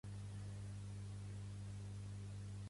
Qui té diners, en un poble, sempre fa rogle